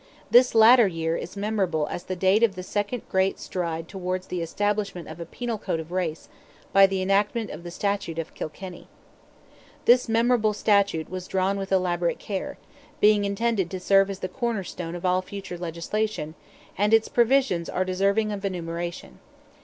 This latter year is memorable as the date of the second great stride towards the establishment of a Penal Code of race, by the enactment of the "Statute of Kilkenny." This memorable Statute was drawn with elaborate care, being intended to serve as the corner stone of all future legislation, and its provisions are deserving of enumeration.